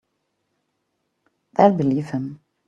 They'll believe him.